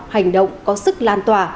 hành động có sức lan tỏa